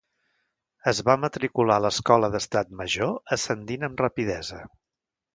Es va matricular a l'Escola d'Estat Major, ascendint amb rapidesa.